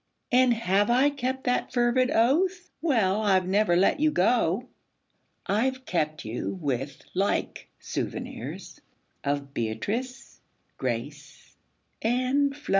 And have I kept that fervid oath? Well I've never let you go: I've kept you with like souvenirs Of Beatrice, Grace and Flo.